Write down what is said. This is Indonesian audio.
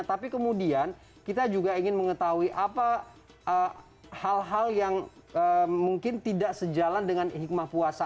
tapi kemudian kita juga ingin mengetahui apa hal hal yang mungkin tidak sejalan dengan hikmah puasa